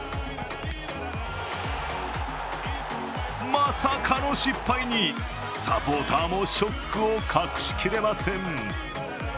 まさかの失敗にサポーターもショックを隠しきれません。